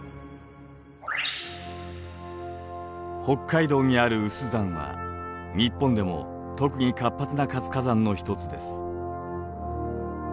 北海道にある有珠山は日本でも特に活発な活火山の一つです。